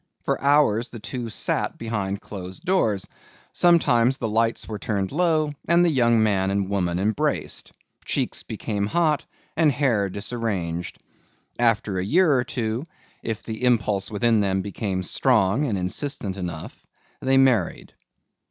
For hours the two sat behind closed doors. Sometimes the lights were turned low and the young man and woman embraced. Cheeks became hot and hair disarranged. After a year or two, if the impulse within them became strong and insistent enough, they married.